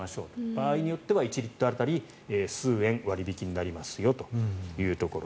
場合によっては１リットル当たり数円割引になりますよと。